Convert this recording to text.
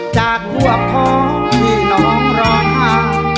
จากหัวพ่อมีน้องรอดหา